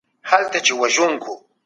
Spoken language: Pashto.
د لويي جرګې غړي کله له ولسمشر سره ګوري؟